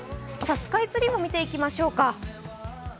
スカイツリーも見ていきましょうか。